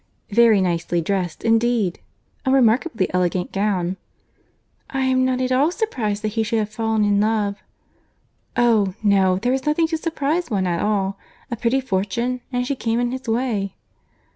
"Very nicely dressed, indeed; a remarkably elegant gown." "I am not at all surprized that he should have fallen in love." "Oh! no—there is nothing to surprize one at all.—A pretty fortune; and she came in his way."